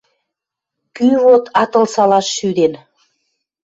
Кӱ вот атыл салаш шӱден?